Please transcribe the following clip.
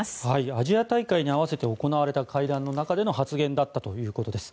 アジア大会に合わせて行われた階段の中での発言だったということです。